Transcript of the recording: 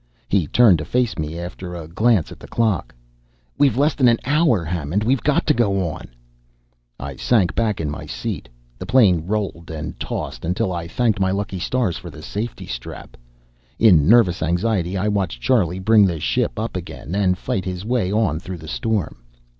He turned to face me, after a glance at the clock. "We've less than an hour, Hammond. We've got to go on!" I sank back in my seat. The plane rolled and tossed until I thanked my lucky stars for the safety strap. In nervous anxiety I watched Charlie bring the ship up again, and fight his way on through the storm.